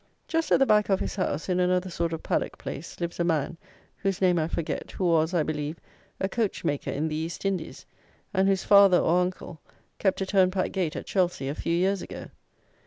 Just at the back of his house, in another sort of paddock place, lives a man, whose name I forget, who was, I believe, a coachmaker in the East Indies, and whose father, or uncle, kept a turnpike gate at Chelsea, a few years ago.